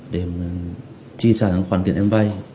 để chia sẻ khoản tiền em vay